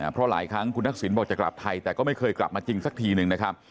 เพราะหลายครั้งคุณทักษิณบอกจะกลับไทยแต่ก็ไม่เคยกลับมาจริงสักทีหนึ่งนะครับ